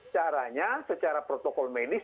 caranya secara protokol menis